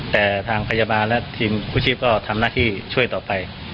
แต่ทางพยาบาลและทีมกู้ชีพก็ทำหน้าที่ช่วยต่อไป